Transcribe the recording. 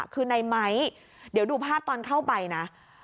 คือในไม้เดี๋ยวดูภาพตอนเข้าไปนะ